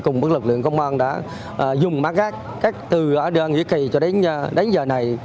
cùng với lực lượng công an đã dùng mát gác các từ ở nghĩa kỳ cho đến giờ này